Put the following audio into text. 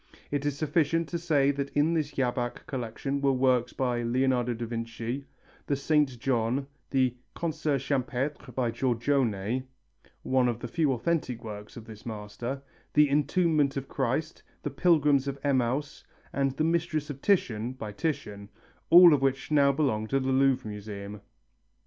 It is sufficient to say that in this Jabach collection were works by Leonardo da Vinci, the Saint John, the "Concert champêtre" by Giorgione one of the few authentic works of this master the Entombment of Christ, the Pilgrims of Emmaus and the Mistress of Titian by Titian, all of which now belong to the Louvre Museum.